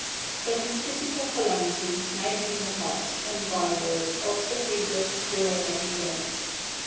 But his physical calamity made him the butt and byword of the heedless wherever he went.